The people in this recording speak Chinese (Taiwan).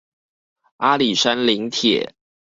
阿里山林鐵